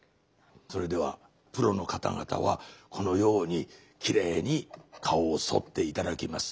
それではプロの方々はこのようにきれいに顔をそって頂きます。